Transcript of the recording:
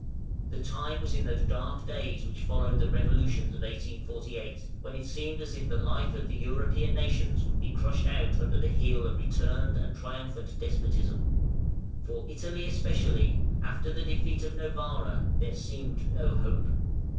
The time was in those dark days which followed the revolutions of 1848, when it seemed as if the life of the European nations would be crushed out under the heel of returned and triumphant despotism. For Italy especially, after the defeat of Novara, there seemed no hope.